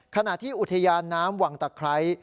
ขณะที่อุทยานน้ำวังตะไคร้